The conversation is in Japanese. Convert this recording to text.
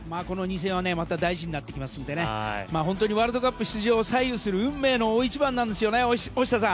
この２戦は大事になってきますのでワールドカップ出場を左右する運命の大一番なんですよね。